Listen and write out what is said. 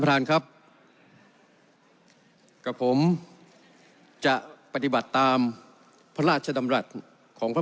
ท่านครับกับผมจะปฏิบัติตามพระราชดำรัฐของพระ